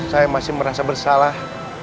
saya masih merasa bersalah